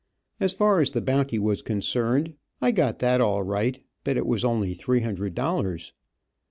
As far as the bounty was concerned, I got that all right, but it was only three hundred dollars.